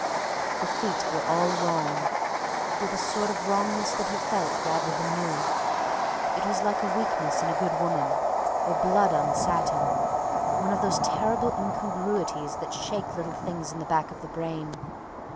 The feet were all wrong ... with a sort of wrongness that he felt rather than knew.... It was like weakness in a good woman, or blood on satin; one of those terrible incongruities that shake little things in the back of the brain.